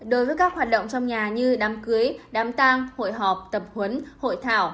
đối với các hoạt động trong nhà như đám cưới đám tang hội họp tập huấn hội thảo